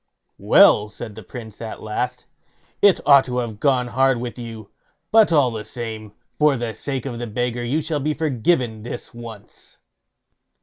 "Well", said the Prince at last, "it ought to have gone hard with you; but all the same, for the sake of the beggar you shall be forgiven this once."